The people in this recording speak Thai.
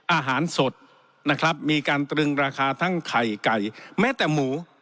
อาหารสดนะครับมีการตรึงราคาทั้งไข่ไก่แม้แต่หมู